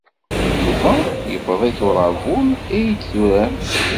Yuba yewweḍ-it uṛabul ay d-turam.